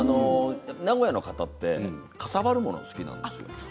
名古屋の方ってかさばるものが好きなんですよ。